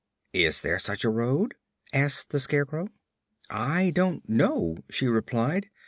"Is there such a road?" asked the Scarecrow. "I don't know," she replied.